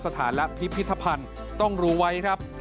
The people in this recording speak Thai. สถานะพิพิธภัณฑ์ต้องรู้ไว้ครับ